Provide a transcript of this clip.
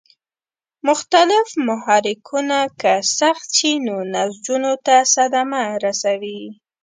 مختلف محرکونه که سخت شي نو نسجونو ته صدمه رسوي.